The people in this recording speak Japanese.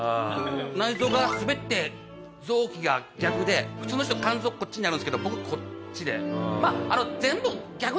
内臓が全て臓器が逆で普通の人肝臓こっちにあるんですけど僕こっちで。